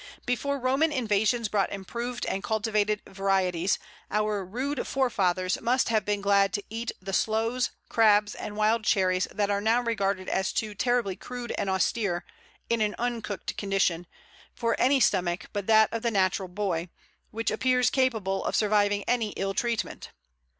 Before Roman invasions brought improved and cultivated varieties, our "rude forefathers" must have been glad to eat the Sloes, Crabs, and Wild Cherries that are now regarded as too terribly crude and austere, in an uncooked condition, for any stomach but that of the natural boy, which appears capable of surviving any ill treatment.